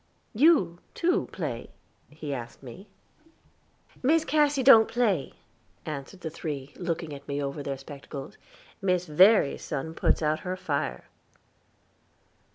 "You, too, play?" he asked me. "Miss Cassy don't play," answered the three, looking at me over their spectacles. "Miss Verry's sun puts out her fire."